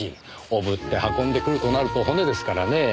おぶって運んでくるとなると骨ですからねぇ。